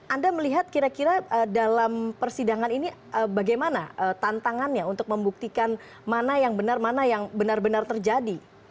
anda melihat kira kira dalam persidangan ini bagaimana tantangannya untuk membuktikan mana yang benar mana yang benar benar terjadi